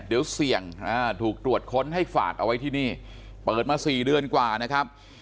เดี๋ยวเสี่ยงถูกตรวจค้นให้ฝากเอาไว้ที่นี่เปิดมา๔เดือนกว่านะครับ